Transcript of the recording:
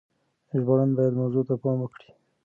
ژباړن بايد موضوع ته پام وکړي.